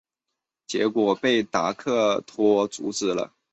结果被达克托阻止了。